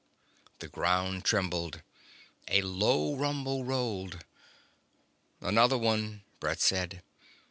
The ground trembled. A low rumble rolled. "Another one," Brett said.